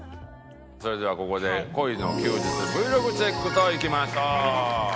それではここで恋の休日Ｖｌｏｇチェックといきましょう。